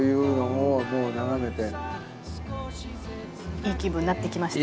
いい気分になってきましたか？